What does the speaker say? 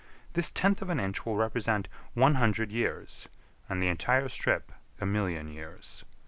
This tenth of an inch will represent one hundred years, and the entire strip a million years.